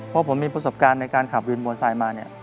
เพราะผมมีประสบการณ์ในการขับวินมอไซค์มาเนี่ย